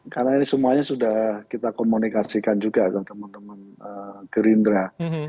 karena ini semuanya sudah kita komunikasikan juga ke teman teman gerindra